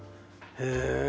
へえ。